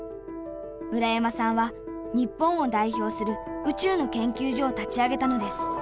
村山さんは日本を代表する宇宙の研究所を立ち上げたのです。